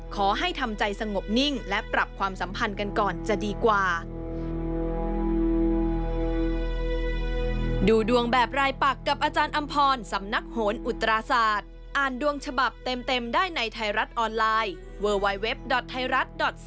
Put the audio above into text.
ขอให้ทำใจสงบนิ่งและปรับความสัมพันธ์กันก่อนจะดีกว่า